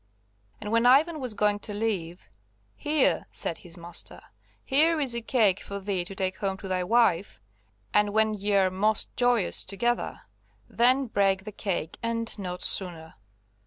And when Ivan was going to leave, "Here," said his master, "here is a cake for thee to take home to thy wife, and, when ye are most joyous together, then break the cake, and not sooner."